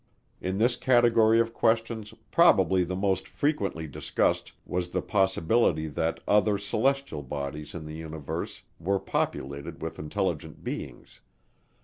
In this category of questions probably the most frequently discussed was the possibility that other celestial bodies in the universe were populated with intelligent beings.